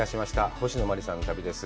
星野真里さんの旅です。